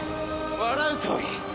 笑うといい！